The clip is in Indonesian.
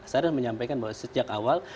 saya sudah menyampaikan bahwa sejak awal